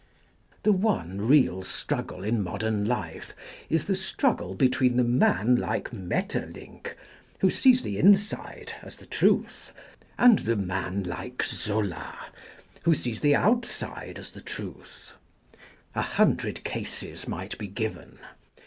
The one real struggle in modern life is the struggle be tween the man like Maeterlinck, who sees the inside as the truth, and the man like Zola, who sees the outside as the truth. A Maeterlinck hundred cases might be given.